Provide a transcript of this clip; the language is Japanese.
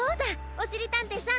おしりたんていさん！